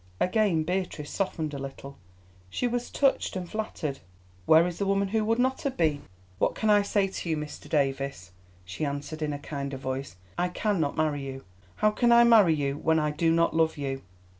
Again Beatrice softened a little. She was touched and flattered. Where is the woman who would not have been? "What can I say to you, Mr. Davies?" she answered in a kinder voice. "I cannot marry you. How I can I marry you when I do not love you?"